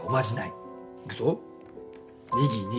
いくぞ。